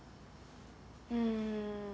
うん。